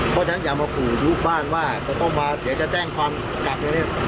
เพราะฉะนั้นอย่ามาขู่ลูกบ้านว่าจะต้องมาเดี๋ยวจะแจ้งความกลับเลยเนี่ย